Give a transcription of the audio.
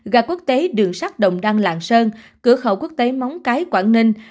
gà quốc tế đường sắt đồng đăng lạng sơn cửa khẩu quốc tế móng cái quảng ninh